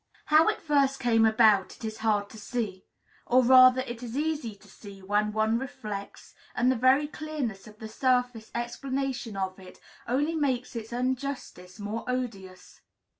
How it first came about it is hard to see. Or, rather, it is easy to see, when one reflects; and the very clearness of the surface explanation of it only makes its injustice more odious.